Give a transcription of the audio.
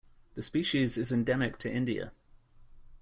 The species is endemic to India.